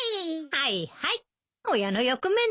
はいはい親の欲目ね。